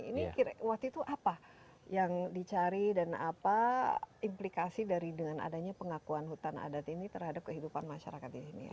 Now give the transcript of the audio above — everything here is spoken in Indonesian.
ini waktu itu apa yang dicari dan apa implikasi dari dengan adanya pengakuan hutan adat ini terhadap kehidupan masyarakat di sini